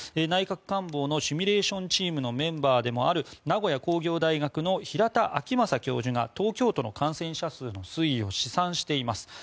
内閣官房のシミュレーションチームのメンバーでもある名古屋工業大学の平田晃正教授が東京都の感染者数の推移を試算しています。